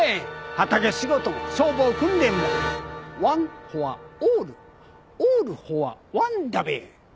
畑仕事も消防訓練もワンフォアオールオールフォアワンだべ。